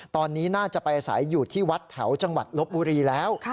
ตอนนี้น่าจะไปอาศัยอยู่ที่วัดแถวจังหวัดลบบุรีแล้ว